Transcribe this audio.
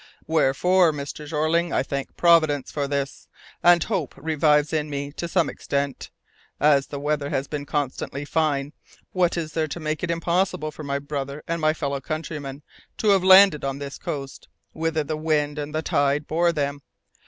"Wherefore, Mr. Jeorling, I thank Providence for this, and hope revives in me to some extent. As the weather has been constantly fine, what is there to make it impossible for my brother and my fellow countrymen to have landed on this coast, whither the wind and the tide bore them?